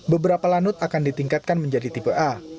beberapa lanut akan ditingkatkan menjadi tipe a